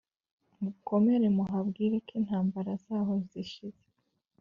Mukomere muhabwire ko intambara zaho zishize